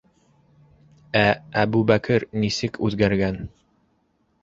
Ә Әбүбәкер нисек үҙгәргән?!